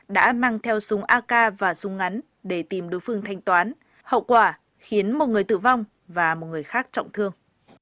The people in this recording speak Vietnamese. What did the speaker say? đã mang theo súng ak và súng ngắn để tìm đối phương thanh toán hậu quả khiến một người tử vong và một người khác trọng thương